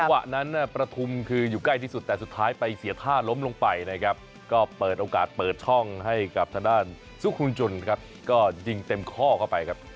วะนั้นประทุมคืออยู่ใกล้ที่สุดแต่สุดท้ายไปเสียท่าล้มลงไปนะครับก็เปิดโอกาสเปิดช่องให้กับทางด้านซุครุงจุนครับก็ยิงเต็มข้อเข้าไปครับ